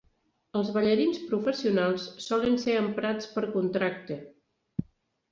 Els ballarins professionals solen ser emprats per contracte.